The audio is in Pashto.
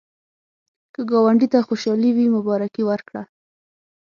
که ګاونډي ته خوشالي وي، مبارکي ورکړه